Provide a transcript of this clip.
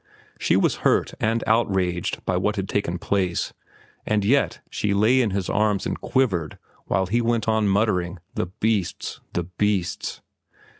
She was hurt and outraged by what had taken place, and yet she lay in his arms and quivered while he went on muttering, "The beasts! The beasts!"